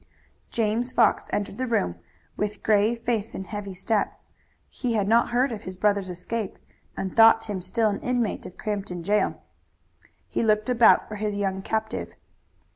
James Fox entered the room with grave face and heavy step. He had not heard of his brother's escape and thought him still an inmate of Crampton jail. He looked about for his young captive.